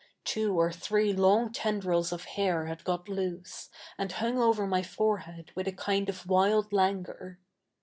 Two or three long tendf'ils oj hair had got loose, and hung over 7)iy forehead with a kind of wild laftguor.